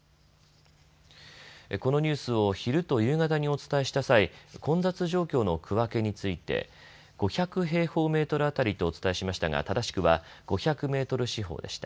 このニュースを昼と夕方にお伝えした際、混雑状況の区分けについて５００平方メートル当たりとお伝えしましたが正しくは５００メートル四方でした。